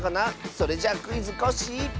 それじゃ「クイズ！コッシー」。